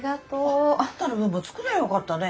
あっあんたの分も作りゃよかったね。